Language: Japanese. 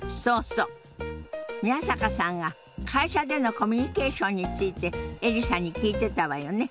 宮坂さんが会社でのコミュニケーションについてエリさんに聞いてたわよね。